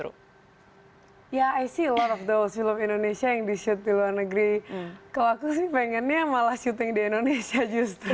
kalau aku sih pengennya malah syuting di indonesia justru